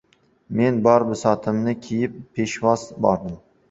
Men bor bisotimni kiyib peshvoz bordim.